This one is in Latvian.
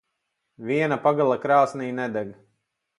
Viena pagale krāsnī nedeg.